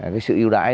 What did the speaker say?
cái sự ưu đại